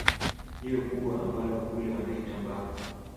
Jiwe kubwa ambalo kule wanaita Mbaga